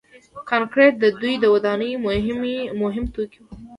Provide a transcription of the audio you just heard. کانکریټ د دوی د ودانیو مهم توکي وو.